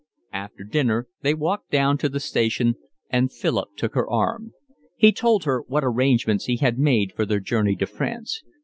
After dinner they walked down to the station, and Philip took her arm. He told her what arrangements he had made for their journey to France.